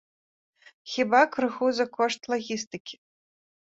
Хіба, крыху за кошт лагістыкі.